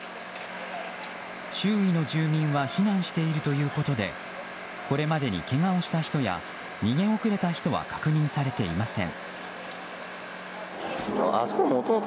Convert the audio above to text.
周囲の住民は避難しているということでこれまでにけがをした人や逃げ遅れた人は確認されていません。